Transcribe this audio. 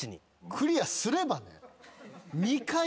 クリアすればね。